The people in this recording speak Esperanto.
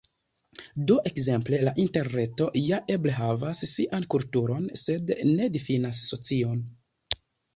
Do ekzemple la Interreto ja eble havas sian kulturon, sed ne difinas socion.